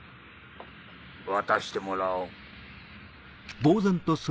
渡してもらおう。